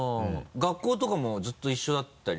学校とかもずっと一緒だったり？